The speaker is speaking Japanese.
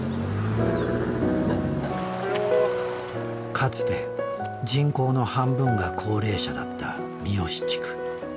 かつて人口の半分が高齢者だった三義地区。